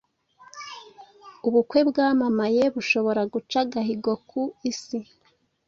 ubukwe bwamamaye bushobora guca agahigo ku isi